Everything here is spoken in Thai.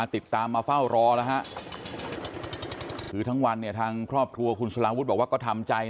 ทุกวันนี้ทางครอบครัวคุณสลาวุฒิบอกว่าก็ทำเจริต